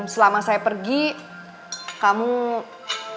selama saya pergi kamu bersihin kamar mandi abis